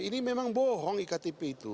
ini memang bohong iktp itu